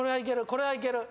これはいける。